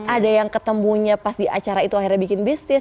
ada yang ketemunya pas di acara itu akhirnya bikin bisnis